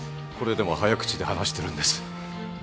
これでも早口で話してるんです。